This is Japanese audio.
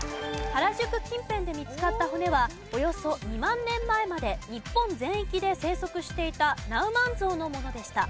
原宿近辺で見つかった骨はおよそ２万年前まで日本全域で生息していたナウマンゾウのものでした。